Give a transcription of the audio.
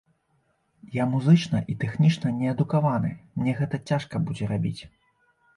Я музычна і тэхнічна неадукаваны, мне гэта цяжка будзе рабіць.